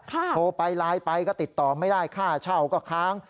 โทรไปไลน์ไปก็ติดต่อไม่ได้ค่าเช่าก็ค้าง